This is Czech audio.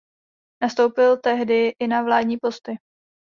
Nastoupil tehdy i na vládní posty.